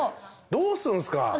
どうすんすか。